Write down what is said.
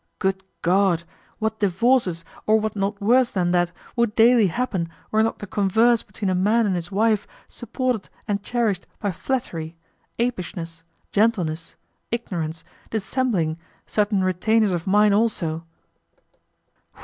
Good God! What divorces, or what not worse than that, would daily happen were not the converse between a man and his wife supported and cherished by flattery, apishness, gentleness, ignorance, dissembling, certain retainers of mine also!